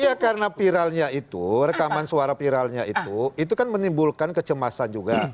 ya karena viralnya itu rekaman suara viralnya itu itu kan menimbulkan kecemasan juga